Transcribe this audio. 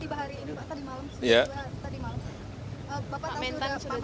bapak sudah tiba hari ini pak tadi malam